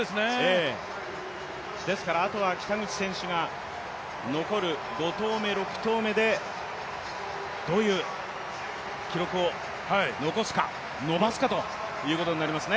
ですからあとは北口選手が残る５投目６投目でどういう記録を残すか、伸ばすかということになりますね。